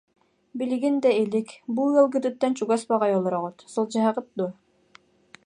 Билигин да илик, бу ыалгытыттан чугас баҕайы олороҕут, сылдьыһаҕыт дуо